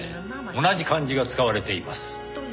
同じ漢字が使われています。